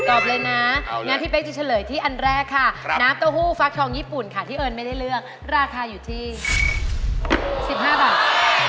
เลยนะงั้นพี่เป๊กจะเฉลยที่อันแรกค่ะน้ำเต้าหู้ฟักทองญี่ปุ่นค่ะที่เอิญไม่ได้เลือกราคาอยู่ที่๑๕บาท